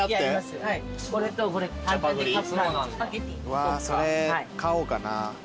うわそれ買おうかな。